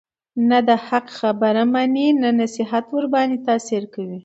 نه د حق خبره مني، نه نصيحت ورباندي تأثير كوي،